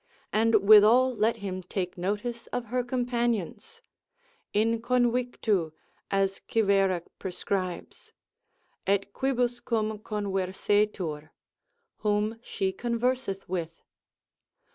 And withal let him take notice of her companions, in convictu (as Quiverra prescribes), et quibuscum conversetur, whom she converseth with.